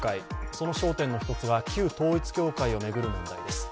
その焦点の１つは旧統一教会を巡る問題です。